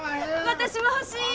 私も欲しい！